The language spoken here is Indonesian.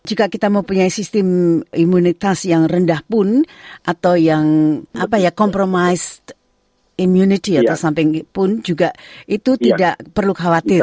jika kita mau punya sistem imunitas yang rendah pun atau yang apa ya compromised immunity atau samping pun juga itu tidak perlu khawatir